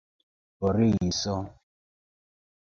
Boriso!